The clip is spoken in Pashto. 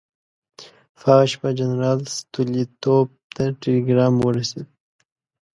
په هغه شپه جنرال ستولیتوف ته ټلګرام ورسېد.